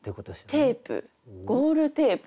テープゴールテープ？